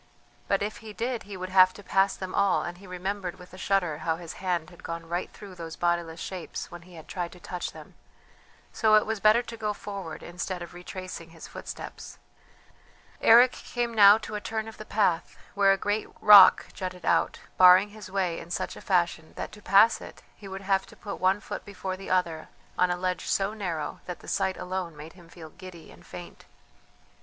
But if he did he would have to pass them all, and he remembered with a shudder how his hand had gone right through those bodiless shapes when he had tried to touch them, so it was better to go forward instead of retracing his footsteps. Eric came now to a turn of the path where a great rock jutted out, barring his way in such a fashion that to pass it he would have to put one foot before the other on a ledge so narrow that the sight alone made him feel giddy and faint.